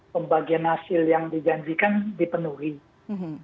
pembagian hasil yang dijanjikan dipenuhi